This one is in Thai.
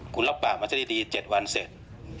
คุณรับปากมาซะดี๗วันเสร็จ